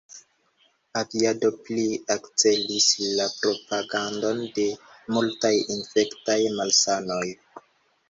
Aviado pli akcelis la propagadon de multaj infektaj malsanoj.